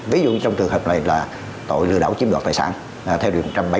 ví dụ trong trường hợp này là tội lừa đảo chiếm đoạt tài sản theo đường một trăm bảy mươi bốn